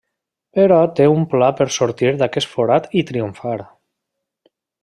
Però té un pla per sortir d'aquest forat i triomfar.